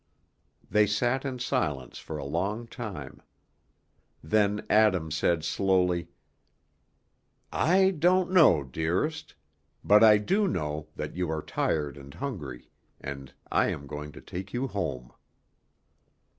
They sat in silence for a long time. Then Adam said slowly, "I don't know, dearest; but I do know that you are tired and hungry, and I am going to take you home."